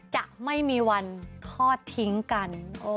จะไม่มีวันทอดทิ้งกัน